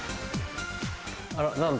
あら何だ？